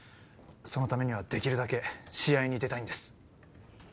そのためにはできるだけ試合に出たいんです